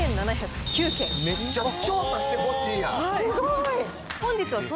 めっちゃ調査してほしいやん！